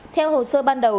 theo hồ sơ ban đầu